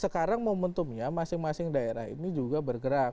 sekarang momentumnya masing masing daerah ini juga bergerak